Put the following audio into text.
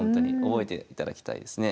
覚えていただきたいですね。